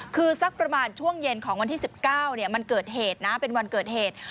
คือสักประมาณช่วงเย็นของวันที่๑๙มันเกิดเหตุนะเป็นวันเกิดเหตุ